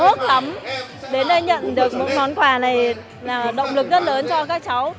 cháu hào hức lắm đến đây nhận được một món quà này là động lực rất lớn cho các cháu